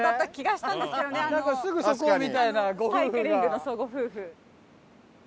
「すぐそこ」みたいなご夫婦が。